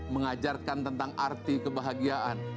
mengajarkan tentang arti kebahagiaan